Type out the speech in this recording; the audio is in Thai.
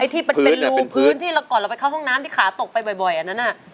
ที่เป็นรูพื้นที่แล้วก่อนเราไปเข้าห้องน้ำที่ขาตกไปบ่อยอันนั้น